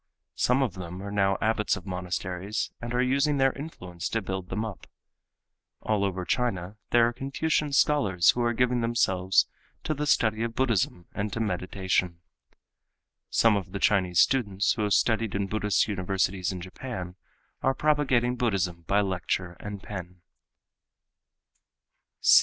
Some of them are now abbots of monasteries and are using their influence to build them up. All over China there are Confucian scholars who are giving themselves to the study of Buddhism and to meditation. Some of the Chinese students who have studied in Buddhist universities in Japan are propagating Buddhism by lecture and pen.